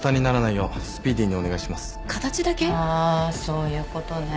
あそういうことね。